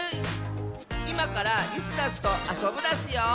いまから「イスダス」とあそぶダスよ！